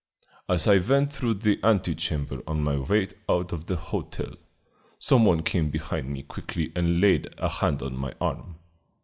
As I went through the antechamber on my way out of the hotel, some one came behind me quickly and laid a hand on my arm.